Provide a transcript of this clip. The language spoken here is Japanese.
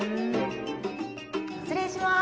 失礼します。